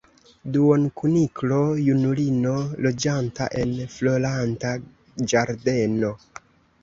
Duonkuniklo-junulino, loĝanta en Floranta Ĝardeno.